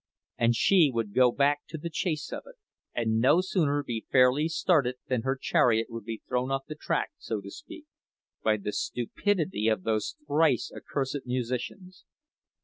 And she would go back to the chase of it—and no sooner be fairly started than her chariot would be thrown off the track, so to speak, by the stupidity of those thrice accursed musicians.